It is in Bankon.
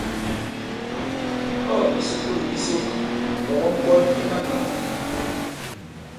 Ɔ̂ bìsùkulù bi sok, ɔ̀ wɔm ɓɔn i manɔ̀nɔ̀k.